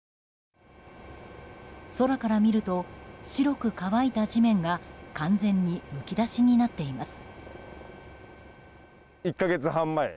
空から見ると白く乾いた地面が完全にむき出しになっています。